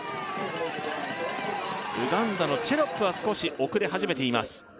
ウガンダのチェロップは少し遅れ始めています